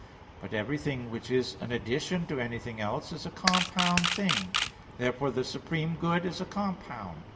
But everything which is an addition to anything else is a compound thing: therefore the supreme good is a compound.